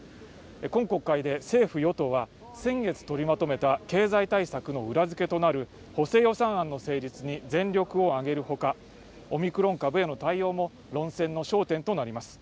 今国会で政府与党は先月取りまとめた経済対策の裏付けとなる補正予算案の成立に全力を挙げるほかオミクロン株への対応も論戦の焦点となります